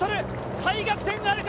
再逆転なるか？